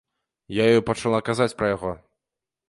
Я ёй пачала казаць пра яго.